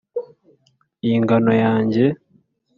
Iyi ngano yanjye,